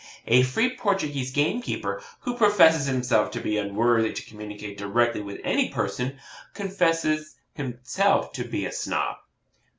A free Portuguese gamekeeper, who professes himself to be unworthy to communicate directly with any person, confesses himself to be a Snob.